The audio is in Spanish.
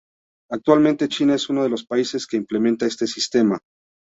Actualmente, China es uno de los países que implementa este sistema.